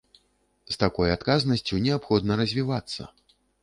З такой адказнасцю неабходна развівацца!